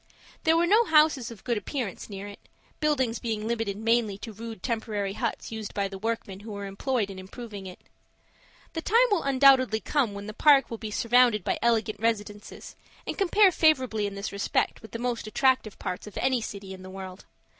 There were no houses of good appearance near it, buildings being limited mainly to rude temporary huts used by the workmen who were employed in improving it. The time will undoubtedly come when the Park will be surrounded by elegant residences, and compare favorably in this respect with the most attractive parts of any city in the world.